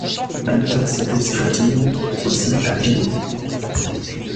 Unterseebootsflottille, aussi à Pillau.